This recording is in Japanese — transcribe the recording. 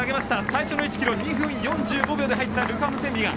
最初の１ｋｍ２分４５秒で入ったルカ・ムセンビが